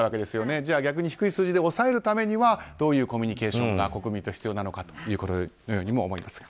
じゃあ逆に低い数字で抑えるためにはどういうコミュニケーションが国民と必要なのかということのようにも思います。